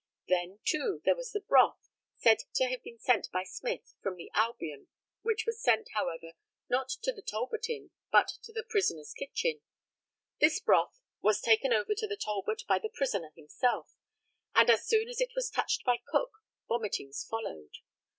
Then, too, there was the broth, said to have been sent by Smith from the Albion, which was sent, however, not to the Talbot Inn, but to the prisoner's kitchen. This broth was taken over to the Talbot by the prisoner himself, and as soon as it was touched by Cook, vomitings followed.